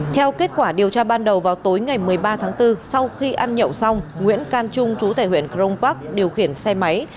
theo kết quả điều tra ban đầu vào tối ngày một mươi ba tháng bốn sau khi ăn nhậu xong nguyễn can trung chú tài huyện crong park điều khiển xe máy